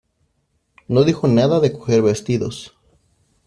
no dijo nada de coger vestidos